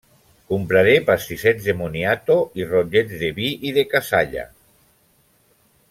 Compraré pastissets de moniato i rotllets, de vi i de cassalla.